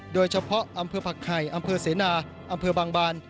โดยเฉพาะอำเภอผักไข่อำเภอเสนาอำเภอบางบาน